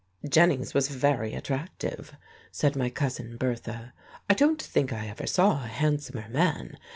"Jennings was very attractive," said my Cousin Bertha. "I don't think I ever saw a handsomer man.